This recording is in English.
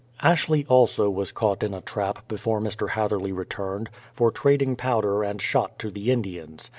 Ashley also was caught in a trap before Mr. Hatherley returned, for trading powder and shot to the Indians.